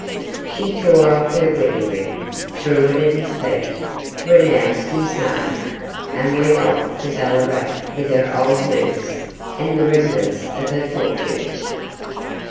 She tore off her wedding ring, threw it at his feet, renounced his name, and went off to Ballarat with her old nurse and the remnants of her fortune.